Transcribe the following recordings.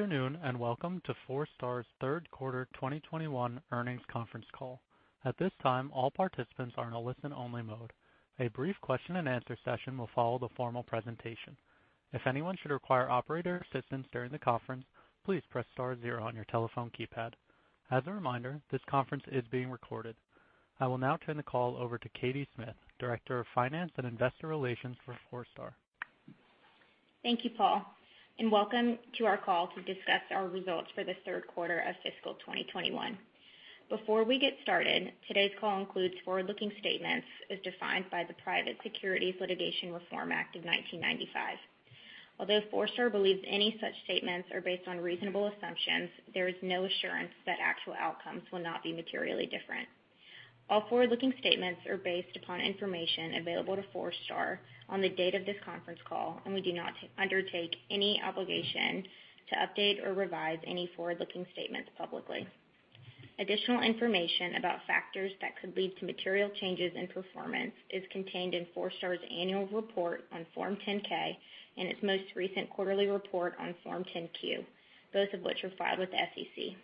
Afternoon, welcome to Forestar's third quarter 2021 earnings conference call. At this time, all participants are in a listen-only mode. A brief question and answer session will follow the formal presentation. If anyone should require operator assistance during the conference, please press star zero on your telephone keypad. As a reminder, this conference is being recorded. I will now turn the call over to Katie Smith, Director of Finance and Investor Relations for Forestar. Thank you, Paul, and welcome to our call to discuss our results for the third quarter of fiscal 2021. Before we get started, today's call includes forward-looking statements as defined by the Private Securities Litigation Reform Act of 1995. Although Forestar believes any such statements are based on reasonable assumptions, there is no assurance that actual outcomes will not be materially different. All forward-looking statements are based upon information available to Forestar on the date of this conference call, and we do not undertake any obligation to update or revise any forward-looking statements publicly. Additional information about factors that could lead to material changes in performance is contained in Forestar's annual report on Form 10-K and its most recent quarterly report on Form 10-Q, both of which were filed with the SEC.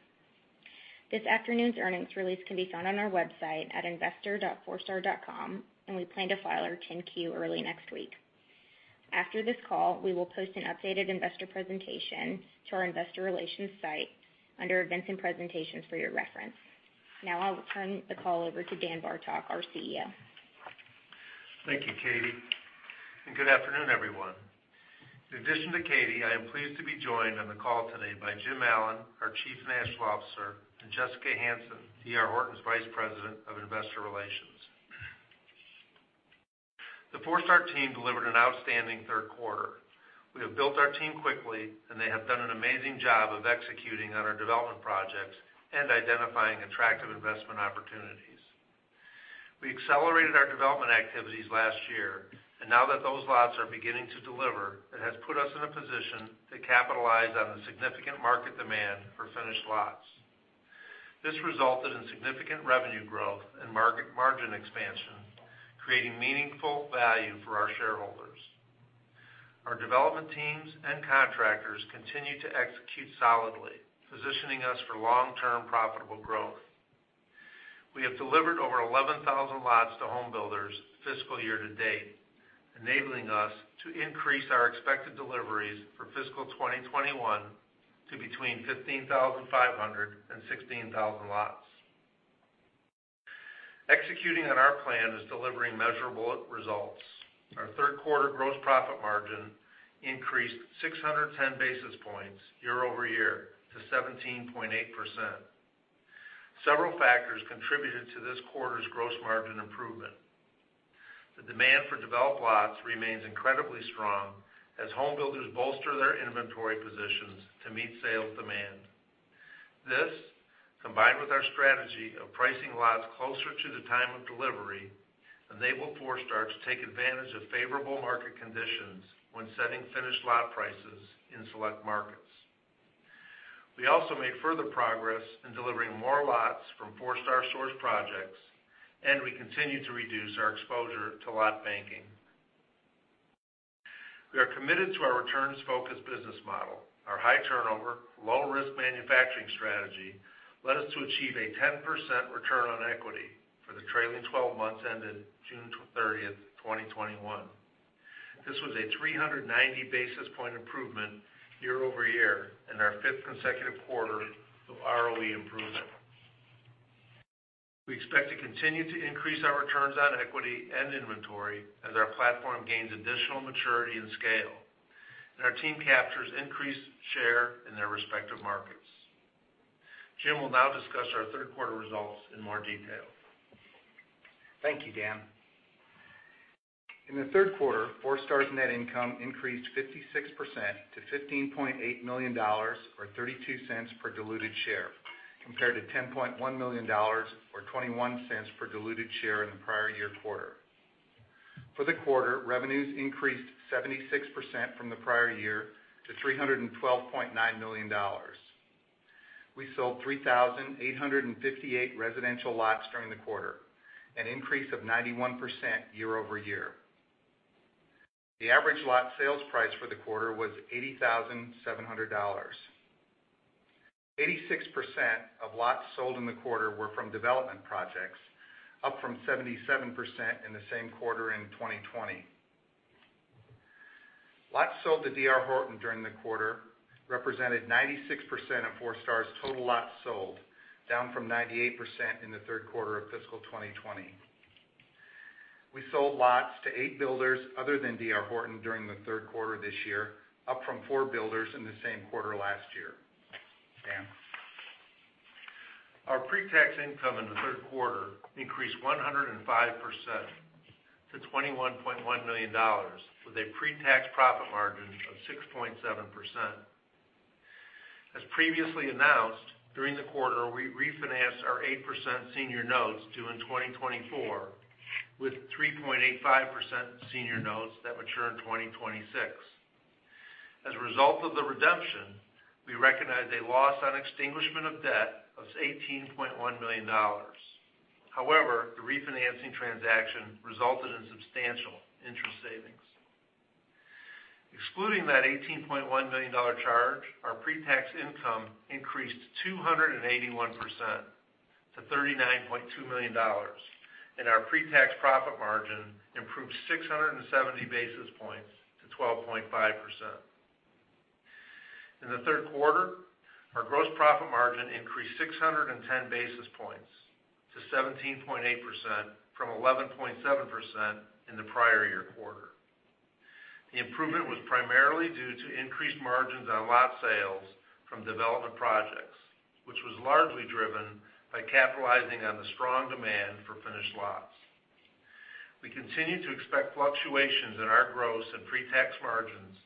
This afternoon's earnings release can be found on our website at investor.forestar.com, and we plan to file our 10-Q early next week. After this call, we will post an updated investor presentation to our investor relations site under events and presentations for your reference. I will turn the call over to Dan Bartok, our CEO. Thank you, Katie, and good afternoon, everyone. In addition to Katie, I am pleased to be joined on the call today by Jim Allen, our Chief Financial Officer, and Jessica Hansen, D.R. Horton's Vice President of Investor Relations. The Forestar team delivered an outstanding third quarter. We have built our team quickly, and they have done an amazing job of executing on our development projects and identifying attractive investment opportunities. We accelerated our development activities last year, and now that those lots are beginning to deliver, it has put us in a position to capitalize on the significant market demand for finished lots. This resulted in significant revenue growth and margin expansion, creating meaningful value for our shareholders. Our development teams and contractors continue to execute solidly, positioning us for long-term profitable growth. We have delivered over 11,000 lots to home builders fiscal year to date, enabling us to increase our expected deliveries for fiscal 2021 to between 15,500 and 16,000 lots. Executing on our plan is delivering measurable results. Our third quarter gross profit margin increased 610 basis points year-over-year to 17.8%. Several factors contributed to this quarter's gross margin improvement. The demand for developed lots remains incredibly strong as home builders bolster their inventory positions to meet sales demand. This, combined with our strategy of pricing lots closer to the time of delivery, enabled Forestar to take advantage of favorable market conditions when setting finished lot prices in select markets. We also made further progress in delivering more lots from Forestar sourced projects, and we continue to reduce our exposure to lot banking. We are committed to our returns-focused business model. Our high turnover, low risk manufacturing strategy led us to achieve a 10% return on equity for the trailing 12 months ended June 30th, 2021. This was a 390-basis point improvement year-over-year and our fifth consecutive quarter of ROE improvement. We expect to continue to increase our returns on equity and inventory as our platform gains additional maturity and scale and our team captures increased share in their respective markets. Jim will now discuss our third quarter results in more detail. Thank you, Dan. In the third quarter, Forestar's net income increased 56% to $15.8 million, or $0.32 per diluted share, compared to $10.1 million or $0.21 per diluted share in the prior year quarter. For the quarter, revenues increased 76% from the prior year to $312.9 million. We sold 3,858 residential lots during the quarter, an increase of 91% year-over-year. The average lot sales price for the quarter was $80,700. 86% of lots sold in the quarter were from development projects, up from 77% in the same quarter in 2020. Lots sold to D.R. Horton during the quarter represented 96% of Forestar's total lots sold, down from 98% in the third quarter of fiscal 2020. We sold lots to 8 builders other than D.R. Horton during the third quarter this year, up from 4 builders in the same quarter last year. Dan? Our pre-tax income in the third quarter increased 105% to $21.1 million, with a pre-tax profit margin of 6.7%. As previously announced, during the quarter we refinanced our 8% senior notes due in 2024 with 3.85% senior notes that mature in 2026. As a result of the redemption, we recognized a loss on extinguishment of debt of $18.1 million. However, the refinancing transaction resulted in substantial interest savings. Excluding that $18.1 million charge, our pre-tax income increased 281% to $39.2 million, and our pre-tax profit margin improved 670 basis points to 12.5%. In the third quarter, our gross profit margin increased 610 basis points to 17.8%, from 11.7% in the prior year quarter. The improvement was primarily due to increased margins on lot sales from development projects, which was largely driven by capitalizing on the strong demand for finished lots. We continue to expect fluctuations in our gross and pre-tax margins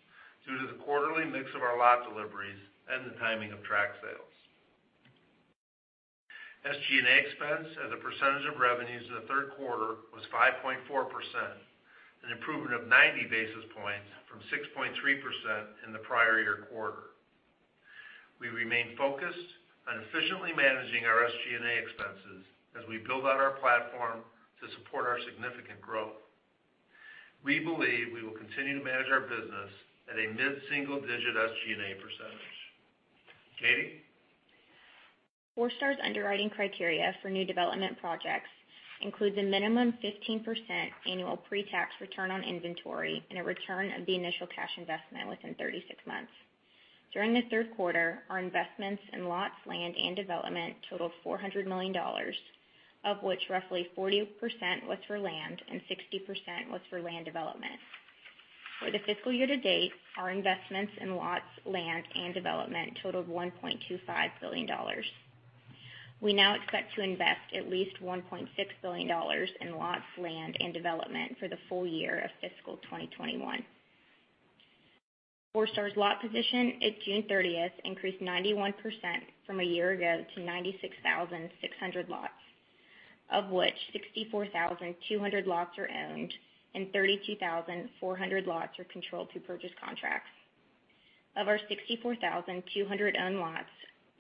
due to the quarterly mix of our lot deliveries and the timing of track sales. SG&A expense as a percentage of revenues in the third quarter was 5.4%, an improvement of 90 basis points from 6.3% in the prior year quarter. We remain focused on efficiently managing our SG&A expenses as we build out our platform to support our significant growth. We believe we will continue to manage our business at a mid-single digit SG&A %. Katie? Forestar's underwriting criteria for new development projects includes a minimum 15% annual pre-tax return on inventory and a return of the initial cash investment within 36 months. During the third quarter, our investments in lots, land, and development totaled $400 million, of which roughly 40% was for land and 60% was for land development. For the fiscal year to date, our investments in lots, land, and development totaled $1.25 billion. We now expect to invest at least $1.6 billion in lots, land, and development for the full year of fiscal 2021. Forestar's lot position at June 30th increased 91% from a year ago to 96,600 lots, of which 64,200 lots are owned and 32,400 lots are controlled through purchase contracts. Of our 64,200 owned lots,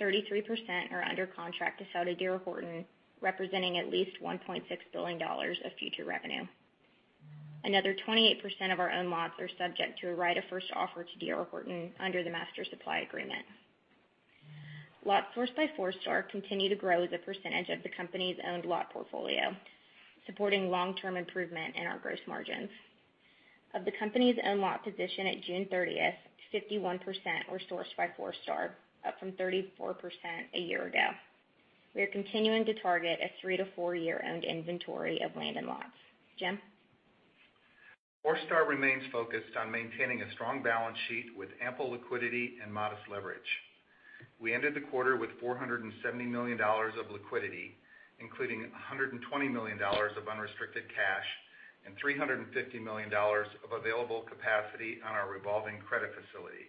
33% are under contract to sell to D.R. Horton, representing at least $1.6 billion of future revenue. Another 28% of our owned lots are subject to a Right of First Offer to D.R. Horton under the master supply agreement. Lots sourced by Forestar continue to grow as a percentage of the company's owned lot portfolio, supporting long-term improvement in our gross margins. Of the company's owned lot position at June 30th, 51% were sourced by Forestar, up from 34% a year ago. We are continuing to target a three-to-four-year owned inventory of land and lots. Jim? Forestar remains focused on maintaining a strong balance sheet with ample liquidity and modest leverage. We ended the quarter with $470 million of liquidity, including $120 million of unrestricted cash and $350 million of available capacity on our revolving credit facility.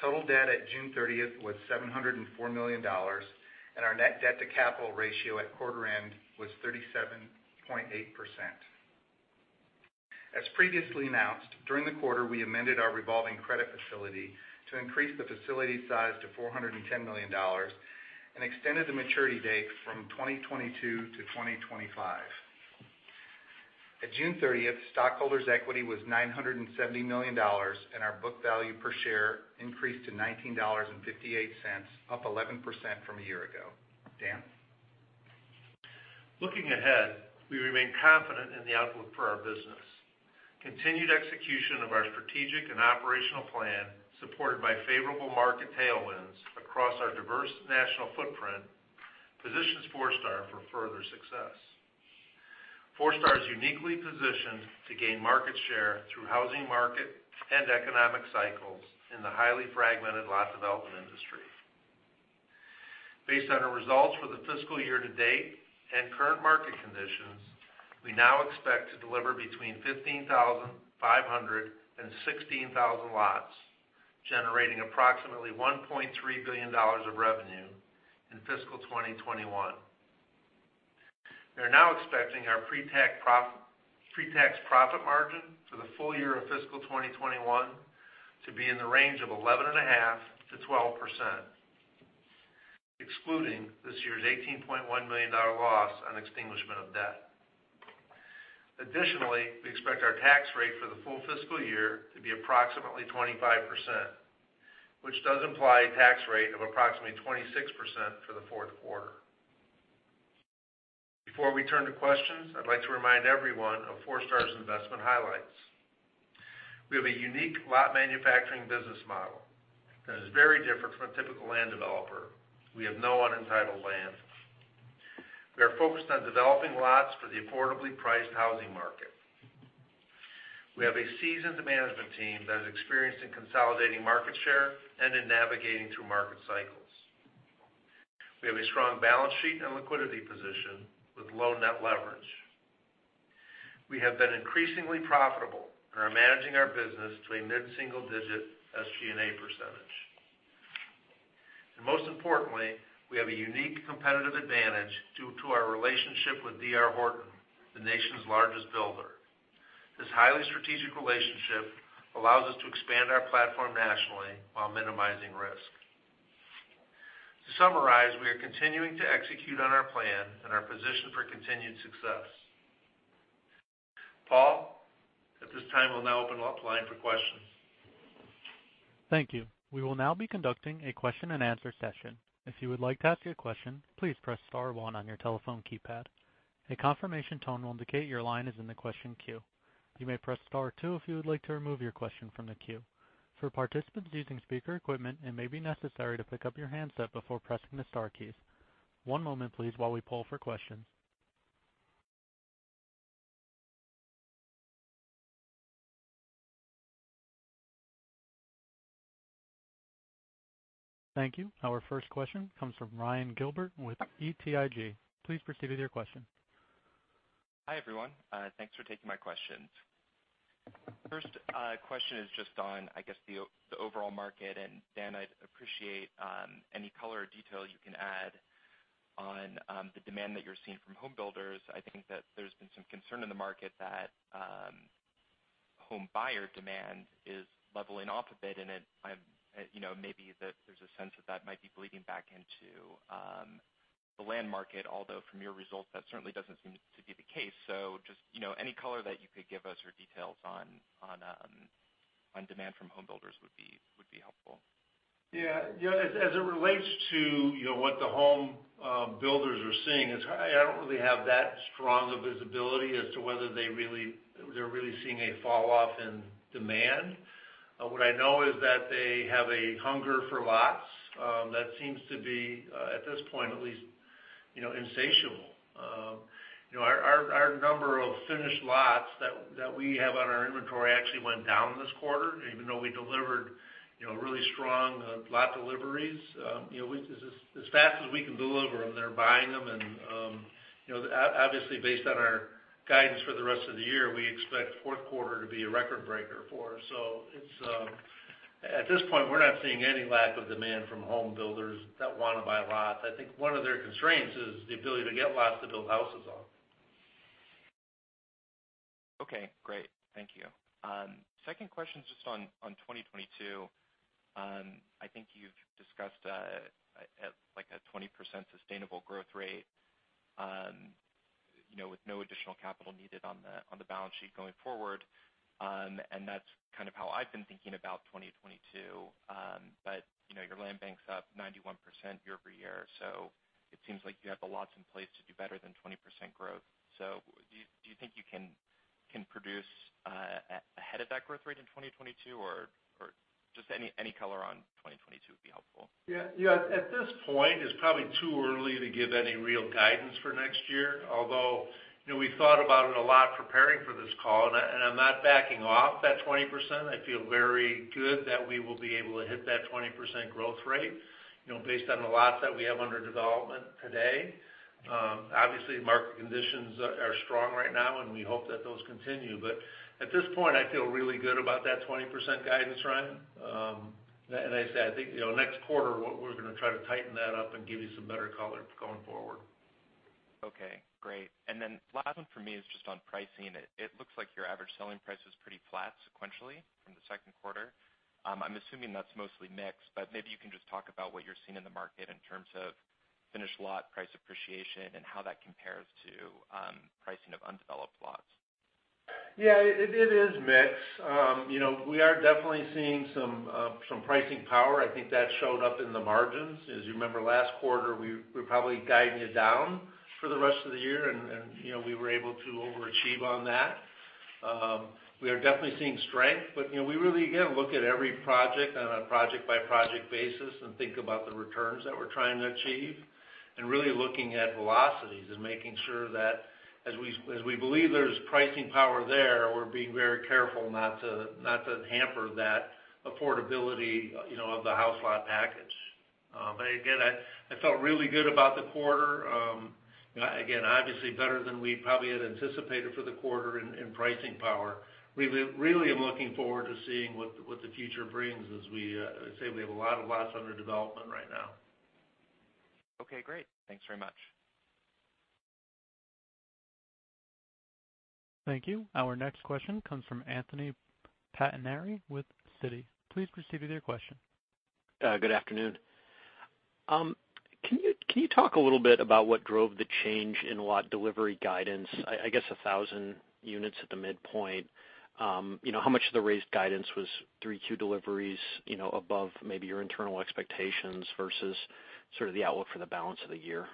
Total debt at June 30th was $704 million, and our net debt to capital ratio at quarter end was 37.8%. As previously announced, during the quarter, we amended our revolving credit facility to increase the facility size to $410 million and extended the maturity date from 2022 to 2025. At June 30th, stockholders' equity was $970 million, and our book value per share increased to $19.58, up 11% from a year ago. Dan? Looking ahead, we remain confident in the outlook for our business. Continued execution of our strategic and operational plan, supported by favorable market tailwinds across our diverse national footprint, positions Forestar for further success. Forestar is uniquely positioned to gain market share through housing market and economic cycles in the highly fragmented lot development industry. Based on our results for the fiscal year to date and current market conditions, we now expect to deliver between 15,500 and 16,000 lots, generating approximately $1.3 billion of revenue in fiscal 2021. We are now expecting our pre-tax profit margin for the full year of fiscal 2021 to be in the range of 11.5%-12%, excluding this year's $18.1 million loss on extinguishment of debt. Additionally, we expect our tax rate for the full fiscal year to be approximately 25%, which does imply a tax rate of approximately 26% for the fourth quarter. Before we turn to questions, I'd like to remind everyone of Forestar's investment highlights. We have a unique lot manufacturing business model that is very different from a typical land developer. We have no unentitled land. We are focused on developing lots for the affordably priced housing market. We have a seasoned management team that is experienced in consolidating market share and in navigating through market cycles. We have a strong balance sheet and liquidity position with low net leverage. We have been increasingly profitable and are managing our business to a mid-single-digit SG&A percentage. Most importantly, we have a unique competitive advantage due to our relationship with D.R. Horton, the nation's largest builder. This highly strategic relationship allows us to expand our platform nationally while minimizing risk. To summarize, we are continuing to execute on our plan and are positioned for continued success. Paul, at this time, we'll now open up the line for questions. Thank you. We will now be conducting a question and answer session. If you would like to ask a question, please press star one on your telephone keypad. A confirmation tone will indicate your line is in the question queue. You may press star two if you would like to remove your question from the queue. For participants using speaker equipment, it may be necessary to pick up your handset before pressing the star keys. One moment please while we poll for questions. Thank you. Our first question comes from Ryan Gilbert with BTIG. Please proceed with your question. Hi, everyone. Thanks for taking my questions. The first question is just on, I guess, the overall market. Dan, I'd appreciate any color or detail you can add on the demand that you're seeing from home builders. I think that there's been some concern in the market that home buyer demand is leveling off a bit, and maybe there's a sense that that might be bleeding back into the land market, although from your results, that certainly doesn't seem to be the case. Just any color or details that you could give us on demand from home builders would be helpful. As it relates to what home builders are seeing, I don't really have strong visibility as to whether they're really seeing a fall-off in demand. What I know is that they have a hunger for lots that seems to be, at this point at least, insatiable. Our number of finished lots that we have in our inventory actually went down this quarter, even though we delivered really strong lot deliveries. As fast as we can deliver them, they're buying them, and obviously based on our guidance for the rest of the year, we expect the fourth quarter to be a record breaker for us. At this point, we're not seeing any lack of demand from home builders that want to buy lots. I think one of their constraints is the ability to get lots to build houses on. Okay, great. Thank you. The second question is just on 2022. I think you've discussed a 20% sustainable growth rate, with no additional capital needed on the balance sheet going forward, and that's kind of how I've been thinking about 2022. Your land bank is up 91% year-over-year, so it seems like you have the lots in place to do better than 20% growth. Do you think you can produce ahead of that growth rate in 2022, or would any color on 2022 be helpful? Yeah. At this point, it's probably too early to give any real guidance for next year, although we thought about it a lot preparing for this call, and I'm not backing off that 20%. I feel very good that we will be able to hit that 20% growth rate, based on the lots that we have under development today. Obviously, market conditions are strong right now, and we hope that those continue. At this point, I feel really good about that 20% guidance, Ryan. As I said, I think next quarter, we're going to try to tighten that up and give you some better color going forward. Okay, great. Then my last question is just on pricing. It looks like your average selling price is pretty flat sequentially from the second quarter. I'm assuming that's mostly mix, but maybe you can just talk about what you're seeing in the market in terms of finished lot price appreciation and how that compares to the pricing of undeveloped lots. Yeah, it's mixed. We are definitely seeing some pricing power. I think that showed up in the margins. As you remember, last quarter, we were probably guiding you down for the rest of the year, and we were able to overachieve on that. We are definitely seeing strength, but we really, again, look at every project on a project-by-project basis and think about the returns that we're trying to achieve. We're really looking at velocities and making sure that as we believe there's pricing power there, we're being very careful not to hamper the affordability of the house lot package. Again, I felt really good about the quarter, obviously better than we probably had anticipated for the quarter in pricing power. I'm really looking forward to seeing what the future brings as we say we have a lot of lots under development right now. Okay, great. Thanks very much. Thank you. Our next question comes from Anthony Pettinari with Citi. Please proceed with your question. Good afternoon. Can you talk a little bit about what drove the change in lot delivery guidance, I guess 1,000 units at the midpoint? How much of the raised guidance was Q3 deliveries above maybe your internal expectations versus sort of the outlook for the balance of the year?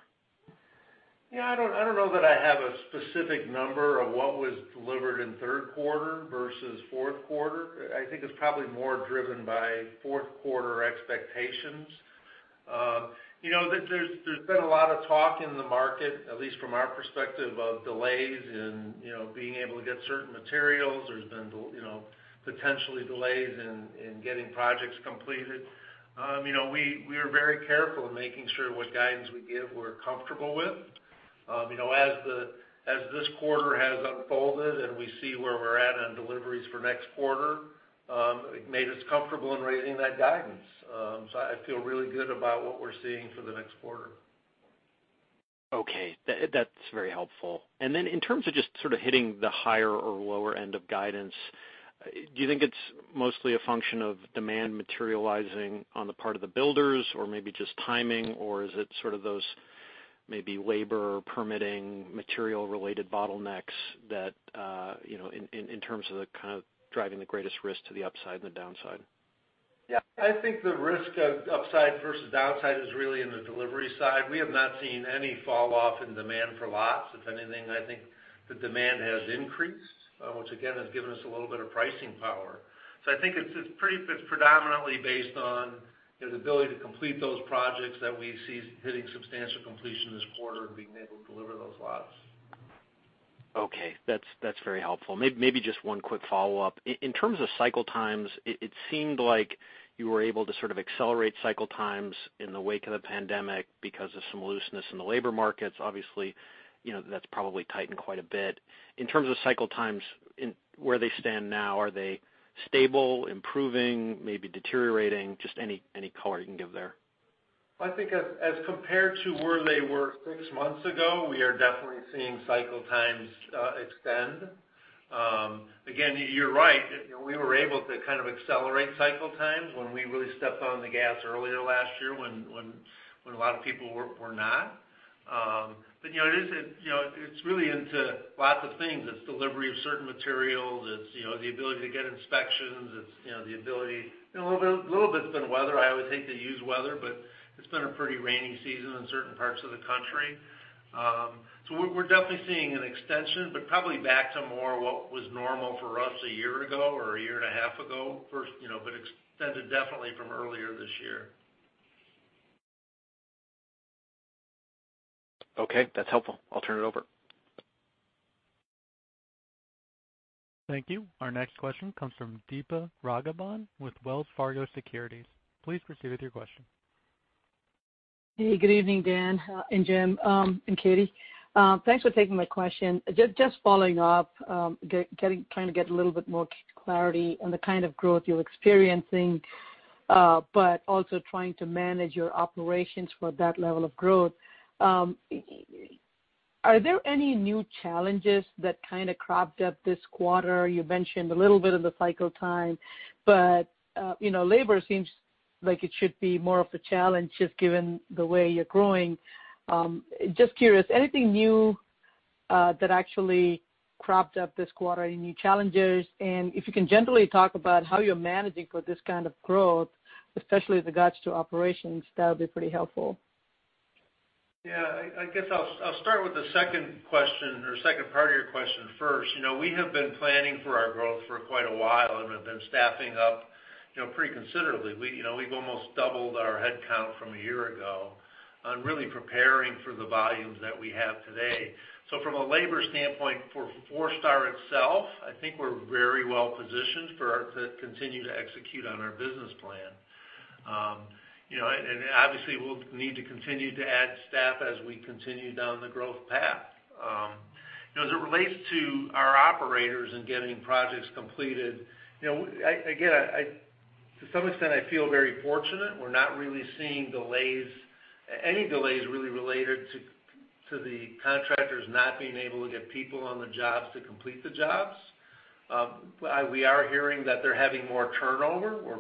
Yeah, I don't know that I have a specific number of what was delivered in the third quarter versus the fourth quarter. I think it's probably more driven by fourth-quarter expectations. There's been a lot of talk in the market, at least from our perspective, of delays in being able to get certain materials. There have been potential delays in getting projects completed. We are very careful in making sure what guidance we give, we're comfortable with. As this quarter has unfolded and we see where we're at on deliveries for next quarter, it made us comfortable in raising that guidance. I feel really good about what we're seeing for the next quarter. Okay. That's very helpful. Then, in terms of just sort of hitting the higher or lower end of guidance, do you think it's mostly a function of demand materializing on the part of the builders, or maybe just timing? Is it sort of those maybe labor, permitting, material-related bottlenecks that are driving the greatest risk to the upside and the downside? Yeah, I think the risk of upside versus downside is really on the delivery side. We have not seen any falloff in demand for lots. If anything, I think the demand has increased, which again, has given us a little bit of pricing power. I think it's predominantly based on the ability to complete those projects that we see hitting substantial completion this quarter and being able to deliver those lots. That's very helpful. Maybe just one quick follow-up. In terms of cycle times, it seemed like you were able to sort of accelerate cycle times in the wake of the pandemic because of some looseness in the labor markets. Obviously, that's probably tightened quite a bit. In terms of cycle times, where do they stand now? Are they stable, improving, or perhaps deteriorating? Just any color you can give there. I think, as compared to where they were six months ago, we are definitely seeing cycle times extend. Again, you're right. We were able to kind of accelerate cycle times when we really stepped on the gas earlier last year when a lot of people were not. It's really into lots of things. It's delivery of certain materials. It's the ability to get inspections. A little bit has been weather. I always hate to use weather, but it's been a pretty rainy season in certain parts of the country. We're definitely seeing an extension, but probably back to more what was normal for us a year ago or a year and a half ago. Extended definitely from earlier this year. Okay. That's helpful. I'll turn it over. Thank you. Our next question comes from Deepa Raghavan with Wells Fargo Securities. Please proceed with your question. Hey, good evening, Dan, Jim, and Katie. Thanks for taking my question. Just following up, I'm trying to get a little bit more clarity on the kind of growth you're experiencing, but also trying to manage your operations for that level of growth. Are there any new challenges that cropped up this quarter? You mentioned a little bit about the cycle time, but labor seems like it should be more of a challenge, just given the way you're growing. I'm just curious, did anything new actually crop up this quarter, any new challenges? If you can generally talk about how you're managing this kind of growth, especially with regards to operations, that would be pretty helpful. I guess I'll start with the second question or second part of your question first. We have been planning for our growth for quite a while and have been staffing up pretty considerably. We've almost doubled our headcount from a year ago, really preparing for the volumes that we have today. From a labor standpoint for Forestar itself, I think we're very well positioned to continue to execute on our business plan. Obviously, we'll need to continue to add staff as we continue down the growth path. As it relates to our operators and getting projects completed, again, to some extent, I feel very fortunate. We're not really seeing any delays related to the contractors not being able to get people on the jobs to complete them. We are hearing that they're having more turnover where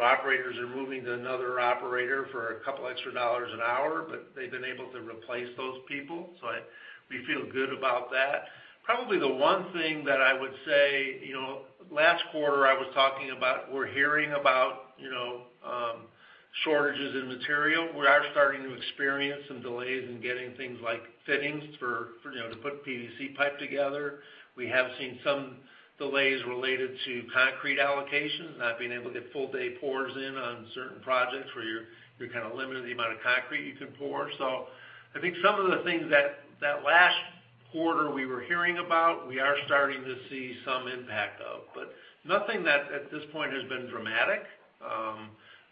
operators are moving to another operator for two extra dollars an hour. They've been able to replace those people, so we feel good about that. Probably the one thing that I would say, last quarter, I was talking about hearing about shortages in material. We are starting to experience some delays in getting things like fittings to put PVC pipe together. We have seen some delays related to concrete allocations, not being able to get full-day pours in on certain projects where you're kind of limited in the amount of concrete you can pour. I think some of the things that last quarter we were hearing about, we are starting to see some impact of, but nothing that at this point has been dramatic.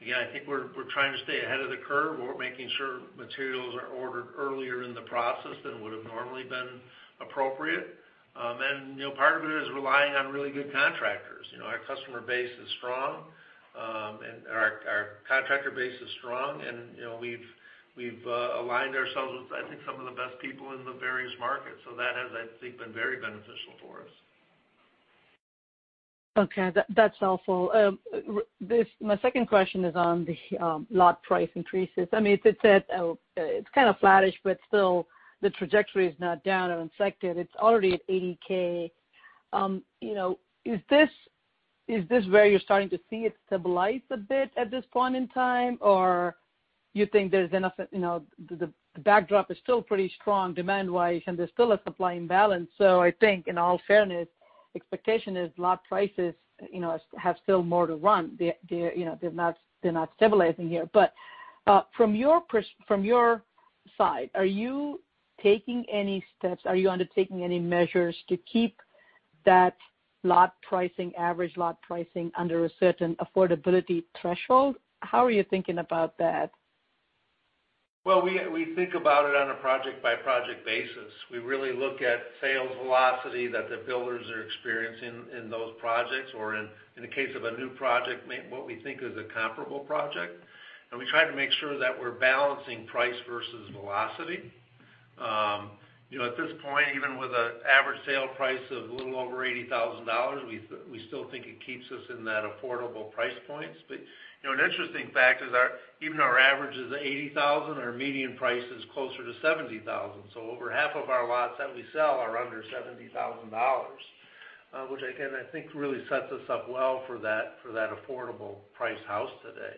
Again, I think we're trying to stay ahead of the curve. We're making sure materials are ordered earlier in the process than would normally have been appropriate. Part of it is relying on really good contractors. Our customer base is strong, and our contractor base is strong, and we've aligned ourselves with, I think, some of the best people in the various markets. That has, I think, been very beneficial for us. Okay, that's helpful. My second question is on the lot price increases. It's kind of flattish, but still, the trajectory is not down or inflected. It's already at $80K. Is this where you're starting to see it stabilize a bit at this point in time, or do you think the backdrop is still pretty strong demand-wise, and there's still a supply imbalance? I think, in all fairness, the expectation is lot prices still have more to run. They're not stabilizing here. From your side, are you taking any steps? Are you undertaking any measures to keep that average lot pricing under a certain affordability threshold? How are you thinking about that? Well, we think about it on a project-by-project basis. We really look at the sales velocity that the builders are experiencing in those projects, or in the case of a new project, what we think is a comparable project. We try to make sure that we're balancing price versus velocity. At this point, even with an average sale price of a little over $80,000, we still think it keeps us in those affordable price points. An interesting fact is, even though our average is $80,000, our median price is closer to $70,000. Over half of the lots that we sell are under $70,000, which again, I think really sets us up well for that affordable price house today.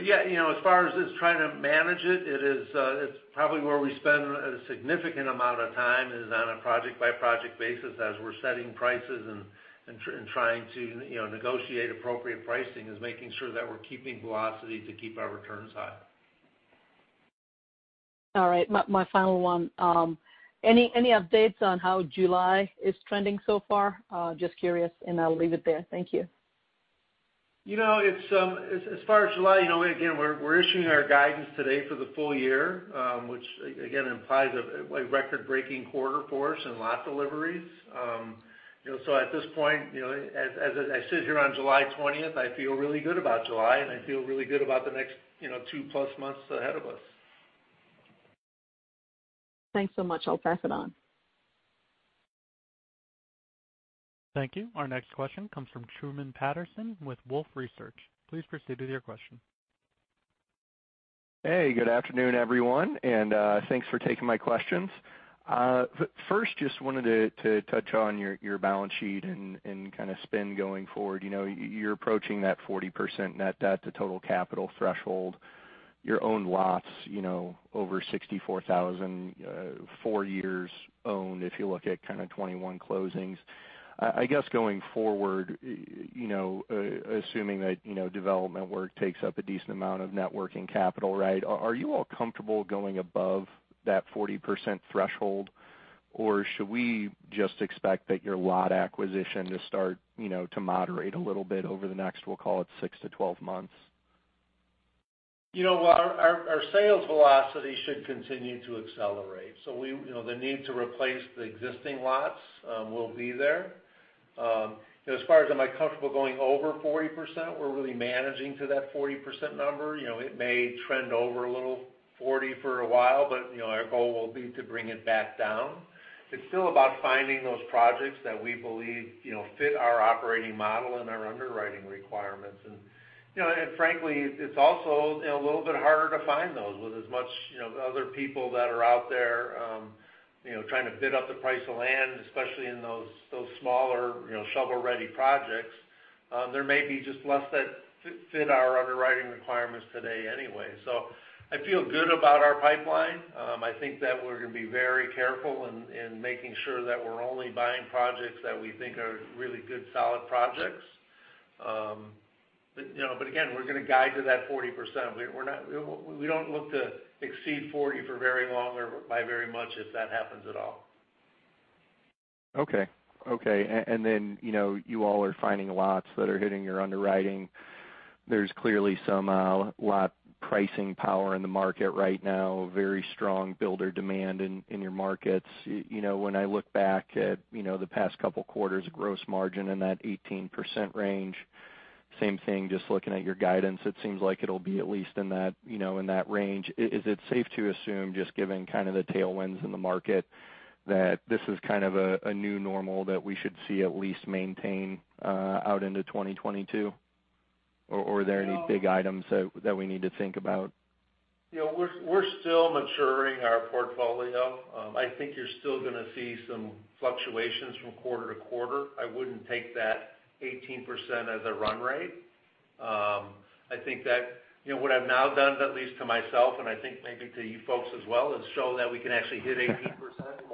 Yeah, as far as just trying to manage, it's probably where we spend a significant amount of time: on a project-by-project basis as we're setting prices and trying to negotiate appropriate pricing, is making sure that we're keeping velocity to keep our returns high. All right, my final one. Any updates on how July is trending so far? Just curious, and I'll leave it there. Thank you. As of July, again, we're issuing our guidance today for the full year, which again, implies a record-breaking quarter for us in lot deliveries. At this point, as I sit here on July 20th, I feel really good about July, and I feel really good about the next two-plus months ahead of us. Thanks so much. I'll pass it on. Thank you. Our next question comes from Truman Patterson with Wolfe Research. Please proceed with your question. Hey, good afternoon, everyone, and thanks for taking my questions. I just wanted to touch on your balance sheet and kind of spending going forward. You're approaching that 40% net debt to total capital threshold. Your own lots, over 64,000, are four years owned, if you look at kind of 2021 closings. I guess, going forward, assuming that development work takes up a decent amount of net working capital, right, are you all comfortable going above that 40% threshold? Should we just expect your lot acquisition to start to moderate a little bit over the next, we'll call it, 6-12 months? Well, our sales velocity should continue to accelerate. The need to replace the existing lots will be there. As far as whether I am comfortable going over 40%, we're really managing to that 40% number. It may trend over 40% for a while, but our goal will be to bring it back down. It's still about finding those projects that we believe fit our operating model and our underwriting requirements. Frankly, it's also a little bit harder to find those with as many other people that are out there trying to bid up the price of land, especially in those smaller, shovel-ready projects. There may just be fewer that fit our underwriting requirements today anyway. I feel good about our pipeline. I think that we're going to be very careful in making sure that we're only buying projects that we think are really good, solid projects. Again, we're going to guide to that 40%. We don't look to exceed 40 for very long or by very much if that happens at all. Okay. You all are finding lots that are hitting your underwriting. There is clearly some lot pricing power in the market right now, very strong builder demand in your markets. When I look back at the past couple quarters, gross margin in that 18% range, same thing, just looking at your guidance, it seems like it will be at least in that range. Is it safe to assume, just given the kind of tailwinds in the market, that this is kind of a new normal that we should see at least maintain out into 2022? Are there any big items that we need to think about? We're still maturing our portfolio. I think you're still going to see some fluctuations from quarter to quarter. I wouldn't take that 18% as a run rate. I think what I've now done, at least to myself, and I think maybe to you folks as well, is show that we can actually hit 18%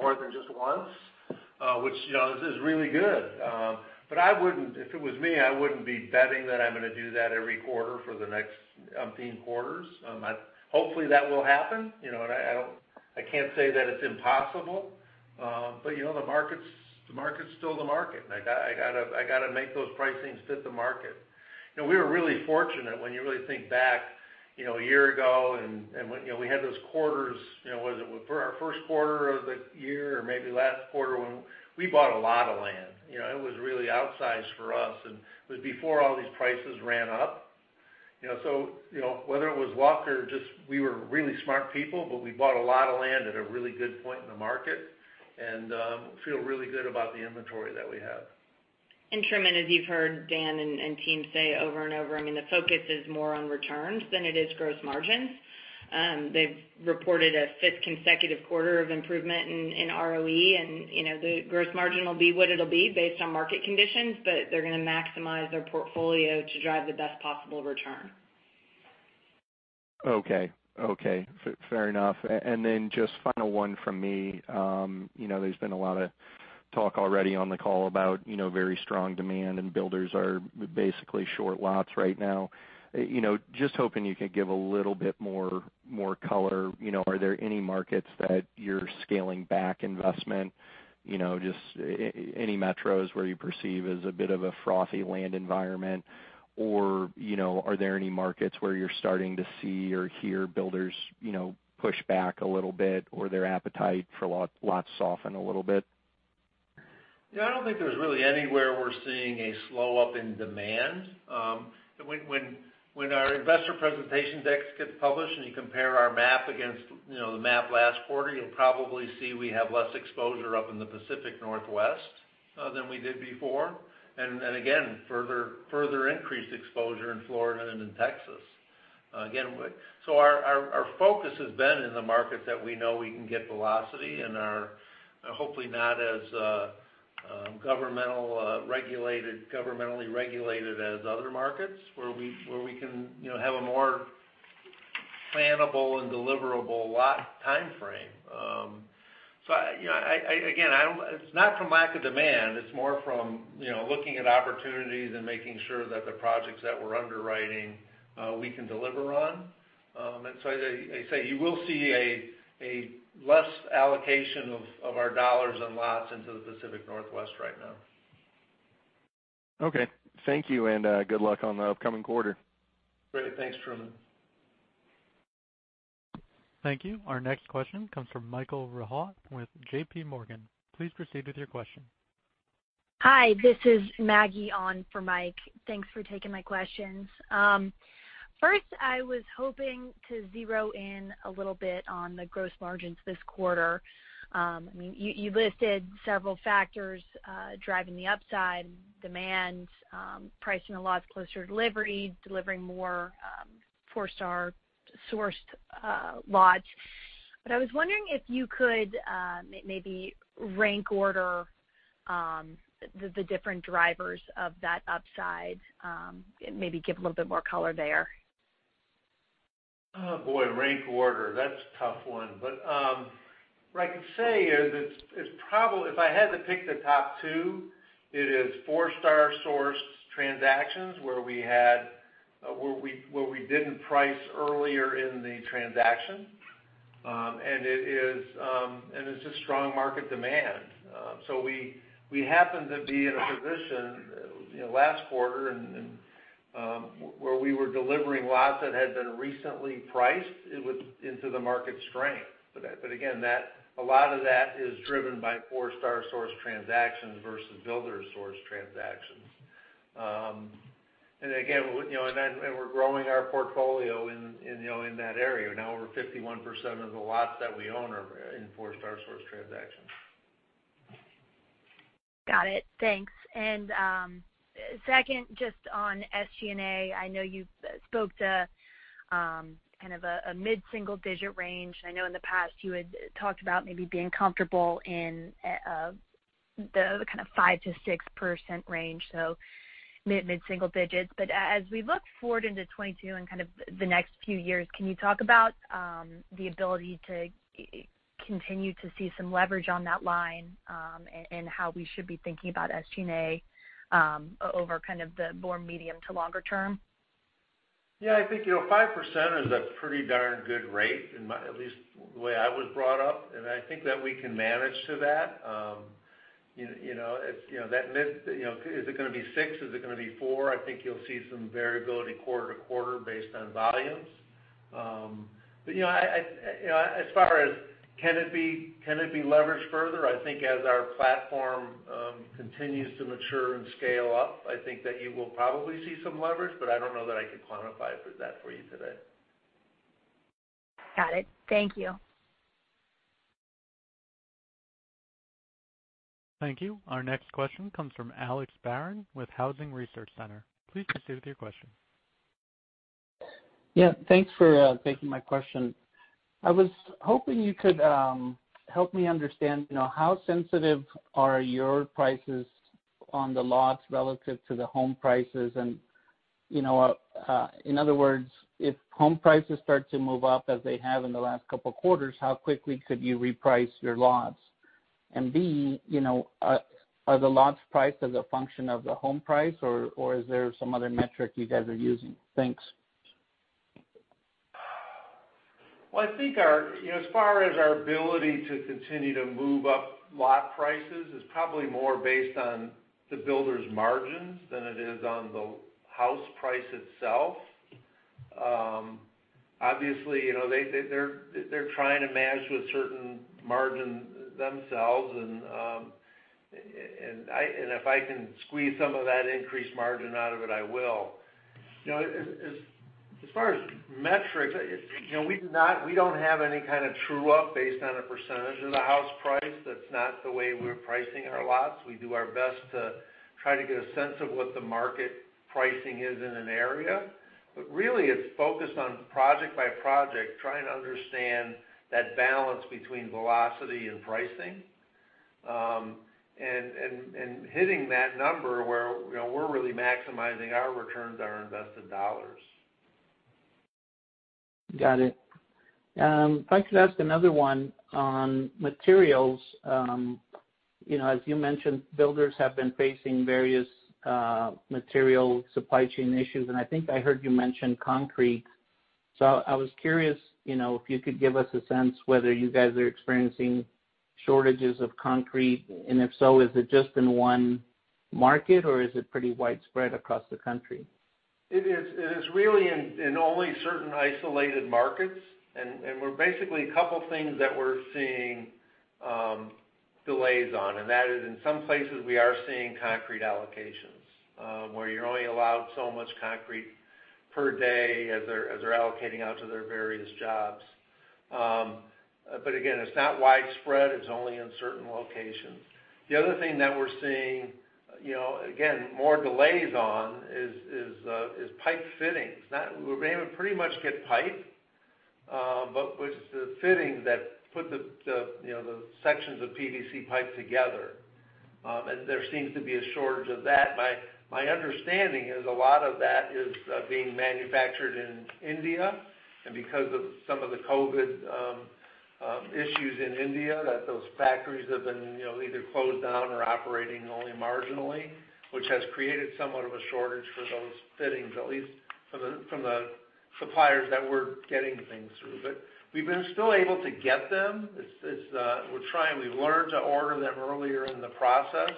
more than just once, which is really good. If it were me, I wouldn't be betting that I'm going to do that every quarter for the next umpteen quarters. Hopefully, that will happen. I can't say that it's impossible. The market's still the market, and I have to make those pricings fit the market. We were really fortunate when you really think back a year ago, and we had those quarters—was it our first quarter of the year or maybe last quarter, when we bought a lot of land. It was really outsized for us, and it was before all these prices ran up. Whether it was luck or just that we were really smart people, we bought a lot of land at a really good point in the market and feel really good about the inventory that we have. Truman, as you've heard Dan and the team say over and over, the focus is more on returns than on gross margins. They've reported a fifth consecutive quarter of improvement in ROE, and the gross margin will be what it will be based on market conditions, but they're going to maximize their portfolio to drive the best possible return. Okay. Fair enough. Then just a final one from me. There's been a lot of talk already on the call about very strong demand, and builders are basically short lots right now. Just hoping you could give a little more color. Are there any markets that you're scaling back investment? Just any metros where you perceive a bit of a frothy land environment, or are there any markets where you're starting to see or hear builders push back a little bit or their appetite for lots soften a little bit? Yeah, I don't think there's really anywhere we're seeing a slowdown in demand. When our investor presentation decks get published and you compare our map against the map last quarter, you'll probably see we have less exposure in the Pacific Northwest than we did before. Again, further increased exposure in Florida and in Texas. Our focus has been on markets where we know we can get velocity, and are hopefully not as governmentally regulated as other markets, where we can have a more plannable and deliverable lot timeframe. Again, it's not from lack of demand, it's more from looking at opportunities and making sure that the projects that we're underwriting, we can deliver on. I'd say you will see less allocation of our dollars and lots into the Pacific Northwest right now. Okay. Thank you, and good luck on the upcoming quarter. Great. Thanks, Truman. Thank you. Our next question comes from Michael Rehaut with JP Morgan. Please proceed with your question. Hi, this is Maggie, on for Michael. Thanks for taking my questions. I was hoping to zero in a little bit on the gross margins this quarter. You listed several factors driving the upside: demand, pricing the lots closer to delivery, and delivering more Forestar-sourced lots. I was wondering if you could maybe rank order the different drivers of that upside and perhaps give a little more color there. Oh, boy. Rank order. That's a tough one. What I can say is, if I had to pick the top two, it would be Forestar-sourced transactions where we didn't price earlier in the transaction, and strong market demand. We happened to be in a position last quarter where we were delivering lots that had been recently priced into the market strength. Again, a lot of that is driven by Forestar-sourced transactions versus builder-sourced transactions. We're growing our portfolio in that area. Now, over 51% of the lots that we own are in Forestar-sourced transactions. Got it. Thanks. Second, just on SG&A, I know you spoke to a mid-single-digit range. I know in the past you had talked about maybe being comfortable in the the 5%-6% range, so mid-single digits. As we look forward into 2022 and the next few years, can you talk about the ability to continue to see some leverage on that line, and how we should be thinking about SG&A over the more medium to longer term? Yeah, I think 5% is a pretty darn good rate, at least the way I was brought up, and I think that we can manage that. Is it going to be 6? Is it going to be 4? I think you'll see some variability quarter-over-quarter based on volumes. As far as whether it can be leveraged further, I think as our platform continues to mature and scale up, you will probably see some leverage, but I don't know that I could quantify that for you today. Got it. Thank you. Thank you. Our next question comes from Alex Barron with Housing Research Center. Please proceed with your question. Yeah. Thanks for taking my question. I was hoping you could help me understand how sensitive your lot prices are relative to home prices. In other words, if home prices start to move up, as they have in the last couple of quarters, how quickly could you reprice your lots? Are the lots priced as a function of the home price, or is there some other metric you guys are using? Thanks. Well, I think as far as our ability to continue to move up lot prices, it is probably more based on the builders' margins than it is on the house price itself. Obviously, they're trying to manage with certain margins themselves, and if I can squeeze some of that increased margin out of it, I will. As far as metrics, we don't have any kind of true-up based on a percentage of the house price. That's not the way we're pricing our lots. We do our best to try to get a sense of what the market pricing is in an area. Really, it's focused on project by project, trying to understand that balance between velocity and pricing, and hitting that number where we're really maximizing our returns on our invested dollars. Got it. If I could ask another question about materials. As you mentioned, builders have been facing various material supply chain issues, and I think I heard you mention concrete. I was curious if you could give us a sense of whether you guys are experiencing shortages of concrete, and if so, is it just in one market or is it pretty widespread across the country? It is really in only certain isolated markets, basically a couple of things that we're seeing delays on, and that is in some places we are seeing concrete allocations where you're only allowed so much concrete per day as they're allocating out to their various jobs. Again, it's not widespread. It's only in certain locations. The other thing that we're seeing, again, more delays on is pipe fittings. We're able to pretty much get pipe, but it's the fittings that put the sections of PVC pipe together. There seems to be a shortage of that. My understanding is that a lot of that is being manufactured in India, and because of some of the COVID issues in India, those factories have either been closed down or are operating only marginally. This has created somewhat of a shortage for those fittings, at least from the suppliers that we're getting things through. We've still been able to get them. We're trying. We've learned to order them earlier in the process.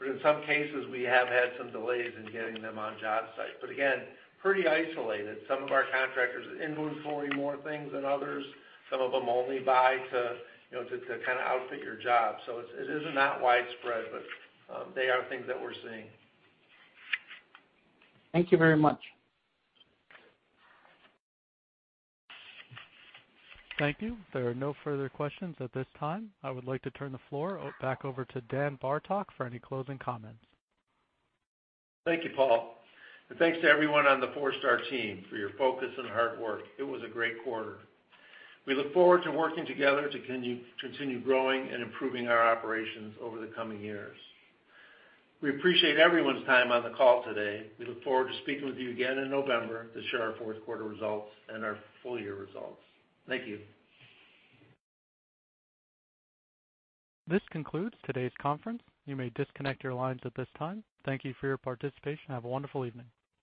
In some cases, we have had some delays in getting them to the job site. Again, it's pretty isolated. Some of our contractors inventory more things than others. Some of them only buy to outfit your job. It isn't that widespread, but these are things that we're seeing. Thank you very much. Thank you. There are no further questions at this time. I would like to turn the floor back over to Dan Bartok for any closing comments. Thank you, Paul, and thanks to everyone on the Forestar team for your focus and hard work. It was a great quarter. We look forward to working together to continue growing and improving our operations over the coming years. We appreciate everyone's time on the call today. We look forward to speaking with you again in November to share our fourth-quarter and full-year results. Thank you. This concludes today's conference. You may disconnect your lines at this time. Thank you for your participation. Have a wonderful evening.